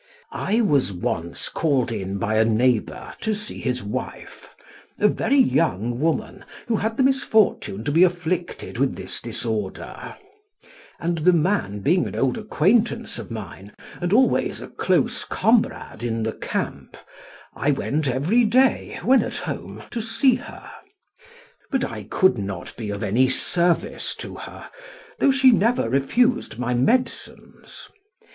"I was once called in by a neighbour to see his wife, a very young woman, who had the misfortune to be afflicted with this disorder; and the man being an old acquaintance of mine, and always a close comrade in the camp, I went every day, when at home, to see her, but I could not be of any service to her, though she never refused my medicines.